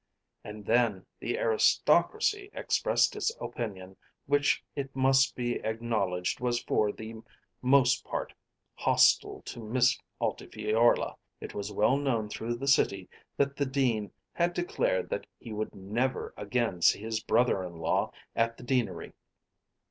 And then the aristocracy expressed its opinion which it must be acknowledged was for the most part hostile to Miss Altifiorla. It was well known through the city that the Dean had declared that he would never again see his brother in law at the deanery.